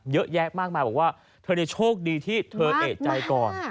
เยอะแยะมากมายบอกว่าเธอโชคดีที่เธอเอกใจก่อน